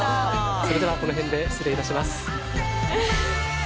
それではこの辺で失礼いたします。